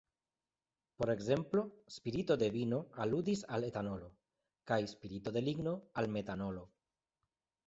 Por ekzemplo "spirito de vino" aludis al etanolo, kaj "spirito de ligno" al metanolo.